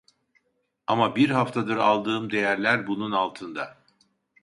Ama bir haftadır aldığım değerler bunun altında